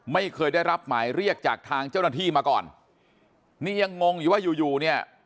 ไม่เคยได้รับหมายเรียกจากทางเจ้าหน้าที่มาก่อนนี่ยังงงอยู่ว่าอยู่อยู่เนี่ย